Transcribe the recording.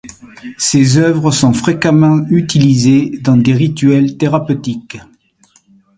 Ces œuvres sont fréquemment utilises dans des rituels thérapeutiques.